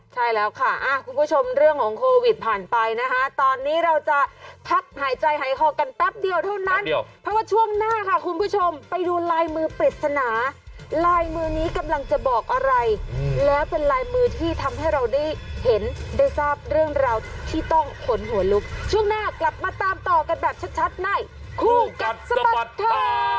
ใช่แล้วค่ะคุณผู้ชมเรื่องของโควิดผ่านไปนะคะตอนนี้เราจะพักหายใจหายคอกันแป๊บเดียวเท่านั้นเพราะว่าช่วงหน้าค่ะคุณผู้ชมไปดูลายมือปริศนาลายมือนี้กำลังจะบอกอะไรแล้วเป็นลายมือที่ทำให้เราได้เห็นได้ทราบเรื่องราวที่ต้องขนหัวลุกช่วงหน้ากลับมาตามต่อกันแบบชัดในคู่กัดสะบัดข่าว